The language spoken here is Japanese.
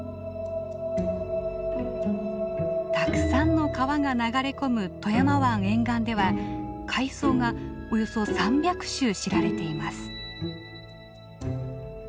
たくさんの川が流れ込む富山湾沿岸では海藻がおよそ３００種知られています。